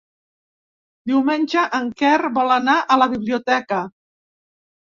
Diumenge en Quer vol anar a la biblioteca.